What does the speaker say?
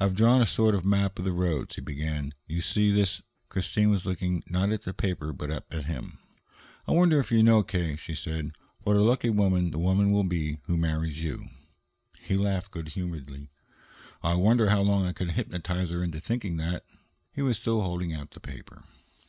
"I've drawn a sort of map of the roads," he began. "You see, this " Christine was looking, not at the paper, but up at him. "I wonder if you know, K.," she said, "what a lucky woman the woman will be who marries you?" He laughed good humoredly. "I wonder how long I could hypnotize her into thinking that." He was still holding out the paper.